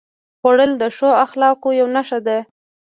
خوړل د ښو اخلاقو یوه نښه ده